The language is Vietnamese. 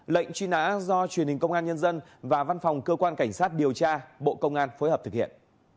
lệnh truy nã do truyền hình công an nhân dân và văn phòng cơ quan cảnh sát điều tra bộ công an phối hợp thực hiện